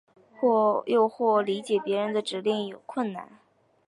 又或者理解别人的指令有困难。